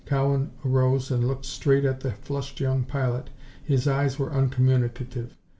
Cowan arose and looked straight at the flushed young pilot. His eyes were uncommunicative.